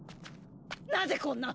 なぜこんな！